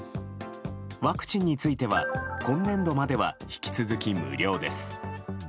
ワクチンについては今年度までは引き続き無料です。